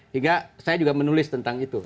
hingga saya juga menulis tentang itu